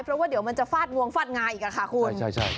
เพราะว่าเดี๋ยวมันจะฟาดงวงฟาดงาอีกค่ะคุณ